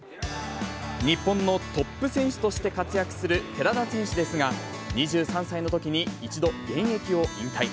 日本のトップ選手として活躍する寺田選手ですが、２３歳のときに一度現役を引退。